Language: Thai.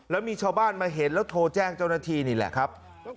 แล้วมีชาวบ้านมาเห็นแล้วโทรแจ้งเจ้าหน้าที่นี่แหละครับ